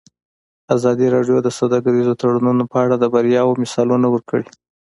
ازادي راډیو د سوداګریز تړونونه په اړه د بریاوو مثالونه ورکړي.